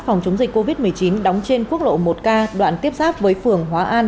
phòng chống dịch covid một mươi chín đóng trên quốc lộ một k đoạn tiếp giáp với phường hóa an